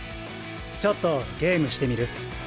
ちょっとゲームしてみる？